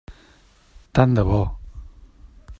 Tant de bo.